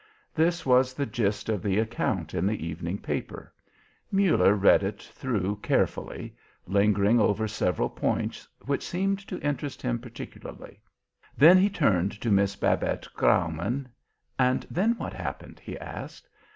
This was the gist of the account in the evening paper. Muller read it through carefully, lingering over several points which seemed to interest him particularly. Then he turned to Miss Babette Graumann. "And then what happened?" he asked.